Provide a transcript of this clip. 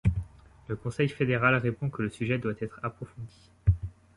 Le Conseil fédéral répond que le sujet doit être approfondi.